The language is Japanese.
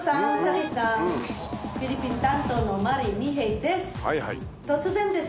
フィリピン担当のマリ・ニヘイです。